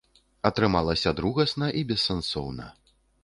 Атрымалася другасна і бессэнсоўна.